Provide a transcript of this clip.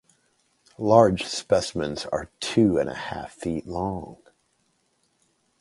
Large specimens are two and a half feet long.